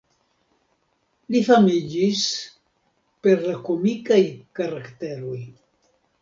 Li famiĝis per la komikaj karakteroj.